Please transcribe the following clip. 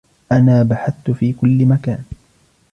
أنا بحثت في كل مكان.